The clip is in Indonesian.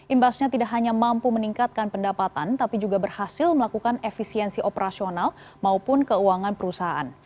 imbasnya tidak hanya mampu meningkatkan pendapatan tapi juga berhasil melakukan efisiensi operasional maupun keuangan perusahaan